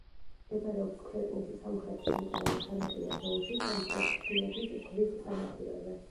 მდებარეობს ქვეყნის სამხრეთ-ცენტრალურ სანაპირო ზოლში, სამხრეთ ჩინეთის ზღვის სანაპიროზე.